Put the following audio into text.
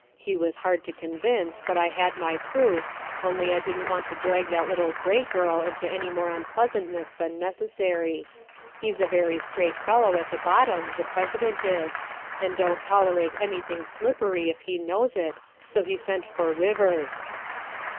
He was hard to convince, but I had my proof, only I didn't want to drag that little Gray girl into any more unpleasantness than necessary. He's a very straight fellow at the bottom, the President is, and don't tol erate anything slippery if he knows it, so he sent for Rivers.